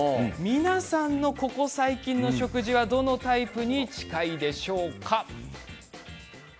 皆さんの、ここ最近の食事はどのタイプに近いでしょうか。